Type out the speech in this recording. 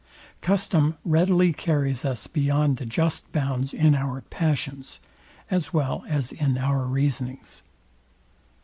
Custom readily carries us beyond the just bounds in our passions, as well as in our reasonings.